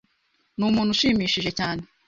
numuntu ushimishije cyane.